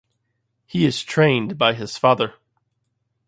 He is trained by his father.